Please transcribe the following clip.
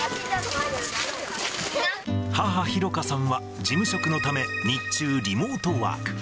母、裕香さんは事務職のため、日中、リモートワーク。